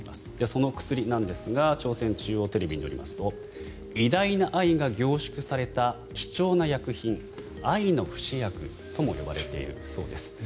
その薬なんですが朝鮮中央テレビによりますと偉大な愛が凝縮された貴重な薬品愛の不死薬とも呼ばれているそうです。